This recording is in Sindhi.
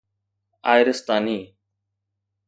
آئرستاني